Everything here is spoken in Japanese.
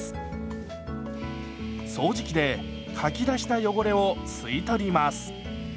掃除機でかき出した汚れを吸い取ります。